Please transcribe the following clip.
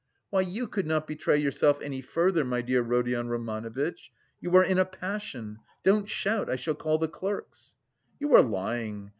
"Why, you could not betray yourself any further, my dear Rodion Romanovitch. You are in a passion. Don't shout, I shall call the clerks." "You are lying!